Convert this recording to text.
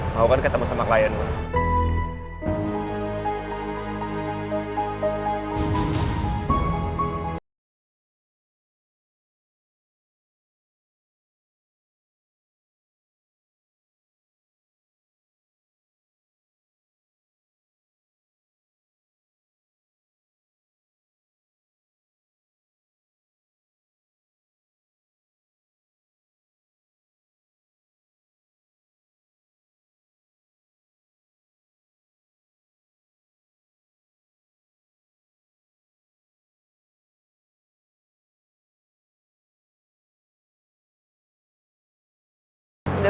mau kan ketemu sama klien gue